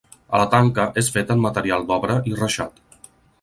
La tanca és feta en material d'obra i reixat.